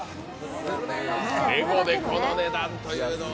レゴでこの値段というのは。